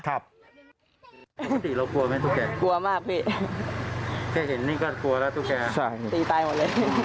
เรียงมานี่เคยถูกบางอย่าง